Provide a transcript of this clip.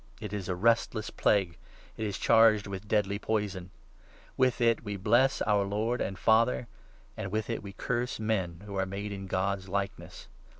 It is a restless plague ! It is charged with deadly poison ! With it we bless our Lord and Father, 9 and with it we curse men who are made 'in God's likeness.'